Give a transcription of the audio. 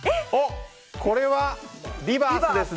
これは、リバースですね。